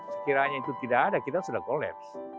sekiranya itu tidak ada kita sudah kolapse